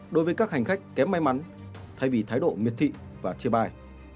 đối với các hành khách kém may mắn thay vì thái độ miệt thị và chê bai